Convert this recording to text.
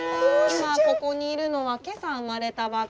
今ここにいるのは今朝生まれたばっかりの。